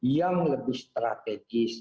yang lebih strategis